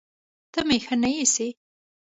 ته مې ښه نه ايسې